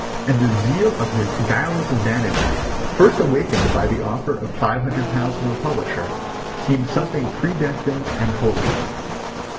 And the zeal of his guileless vanity (first awakened by the offer of five hundred pounds from a publisher) seemed something predestined and holy.